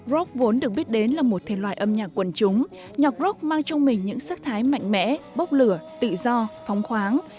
rock vốn được biết đến là một thể loại âm nhạc quần chúng nhọc rock mang trong mình những sắc thái mạnh mẽ bốc lửa tự do phóng khoáng